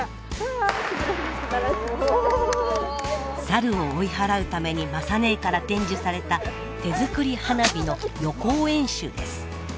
サルを追い払うために雅ねえから伝授された手作り花火の予行演習です。